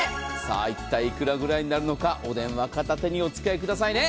一体、幾らくらいになるのかお電話片手にお付き合いくださいね。